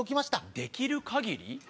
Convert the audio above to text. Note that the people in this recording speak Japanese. できる限り？